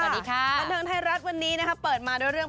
วันถึงไทรักษณ์วันนี้นะครับเปิดมาด้วยเรื่อง